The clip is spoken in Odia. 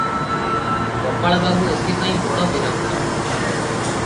ଗୋପାଳବାବୁ ଏଥିପାଇଁ ବଡ଼ ବିରକ୍ତ ।